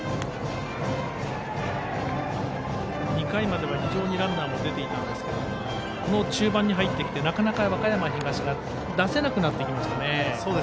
２回までは非常にランナーも出ていたんですがこの中盤に入ってきてなかなか和歌山東がランナーを出せなくなってきましたね。